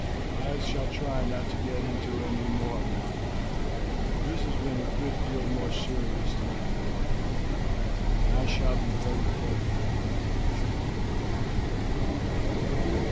"I shall try and not get into any more," Mark laughed. "This has been a good deal more serious than I had bargained for, and I shall be very careful in the future."